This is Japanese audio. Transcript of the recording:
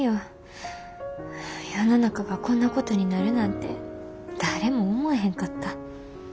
世の中がこんなことになるなんて誰も思えへんかった。